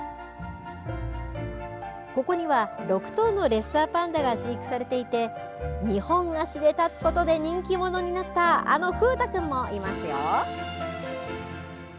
ここには６頭のレッサーパンダが飼育されていて２本足で立つことで人気者になったあの風太くんもいますよ。